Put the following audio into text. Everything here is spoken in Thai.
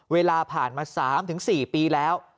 เวลาผ่านมา๓๔ปีแล้ว